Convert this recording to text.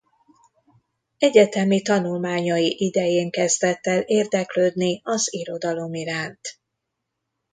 Egyetemi tanulmányai idején kezdett el érdeklődni az irodalom iránt.